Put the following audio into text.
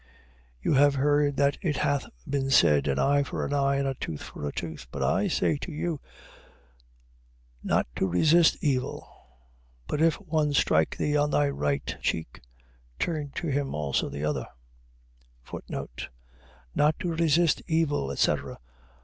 5:38. You have heard that it hath been said: An eye for an eye, and a tooth for a tooth. 5:39. But I say to you not to resist evil: but if one strike thee on thy right cheek, turn to him also the other: Not to resist evil, etc. ..